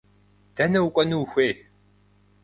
Дэнэ укӏуэну ухуей?